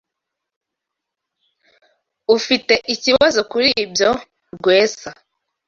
Ufite ikibazo kuri ibyo, Rwesa?